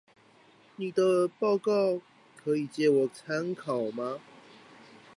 妳的報告可以借我參考嗎？